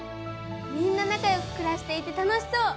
みんな仲よく暮らしていて楽しそう！